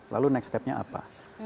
lalu next step nya apa